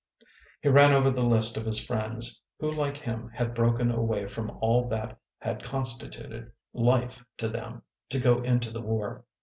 He ran over the list of his friends who like him had broken away from all that had constituted life to them to go into the war.